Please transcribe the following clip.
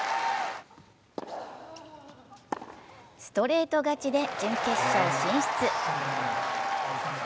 ストレート勝ちで準決勝進出。